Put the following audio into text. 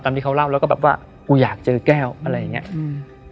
ตามที่เค้าเล่าแล้วก็แบบว่ากูอยากเจอแก้วอะไรอย่างนี้